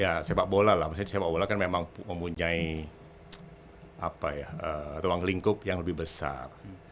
ya sepak bola lah maksudnya sepak bola kan memang mempunyai ruang lingkup yang lebih besar